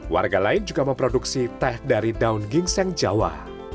warga lain juga memproduksi teh dari daun gingseng jawa